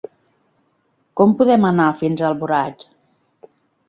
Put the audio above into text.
Com podem anar fins a Alboraig?